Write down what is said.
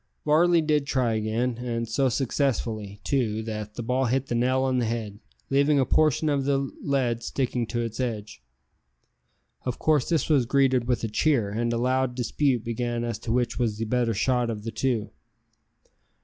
Varley did try again, and so successfully, too, that the ball hit the nail on the head, leaving a portion of the lead sticking to its edge. Of course this was greeted with a cheer, and a loud dispute began as to which was the better shot of the two.